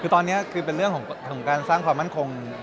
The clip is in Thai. ตอนนี้เป็นเรื่องของการสร้างความมั่นโคม